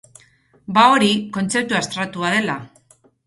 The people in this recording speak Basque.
Ba hori, kontzeptu abstraktua dela.